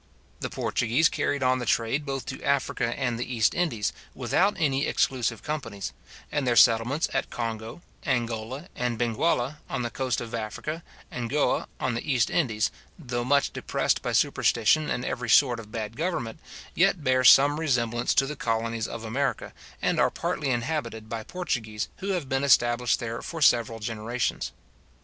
The Portuguese carried on the trade both to Africa and the East Indies, without any exclusive companies; and their settlements at Congo, Angola, and Benguela, on the coast of Africa, and at Goa in the East Indies though much depressed by superstition and every sort of bad government, yet bear some resemblance to the colonies of America, and are partly inhabited by Portuguese who have been established there for several generations.